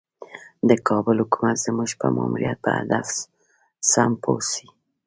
د کابل حکومت زموږ د ماموریت په هدف سم پوه شي.